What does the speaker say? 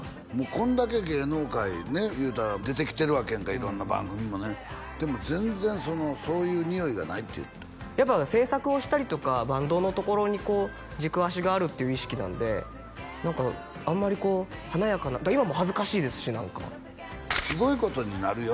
こんだけ芸能界ねいうたら出てきてるわけやんか色んな番組もねでも全然そういうにおいがないって言うてたやっぱ制作をしたりとかバンドのところにこう軸足があるっていう意識なんで何かあんまりこう華やかな今も恥ずかしいですし何か「すごいことになるよ」